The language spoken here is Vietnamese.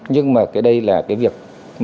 nhưng mà cái đây là cái việc